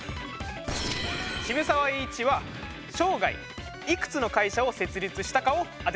渋沢栄一は生涯いくつの会社を設立したかを当ててもらいます。